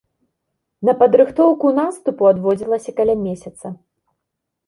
На падрыхтоўку наступу адводзілася каля месяца.